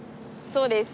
そうです。